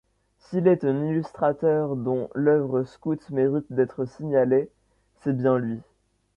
S'il est un illustrateur dont l'œuvre scoute mérite d'être signalée, c'est bien lui.